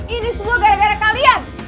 ini semua gara gara kalian